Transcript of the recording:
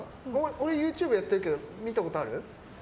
俺、ＹｏｕＴｕｂｅやってるけど見たことある？